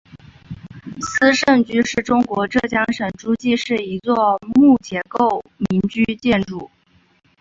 斯盛居是中国浙江省诸暨市一座木结构民居建筑。